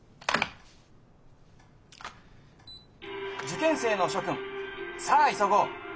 「受験生の諸君さあ急ごう。